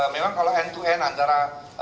memang kalau end to end antara